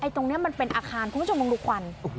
ตรงเนี่ยมันเป็นอาคารคุ้นจงลงลูกควัน